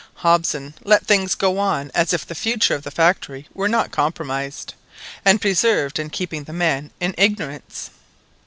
Hobson let things go on as if the future of the factory were not compromised, and persevered in keeping the men in ignorance.